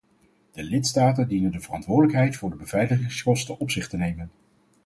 De lidstaten dienen de verantwoordelijkheid voor de beveiligingskosten op zich te nemen.